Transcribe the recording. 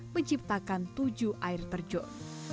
menciptakan tujuh air terjun